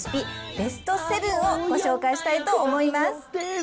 ベスト７を紹介したいと思います。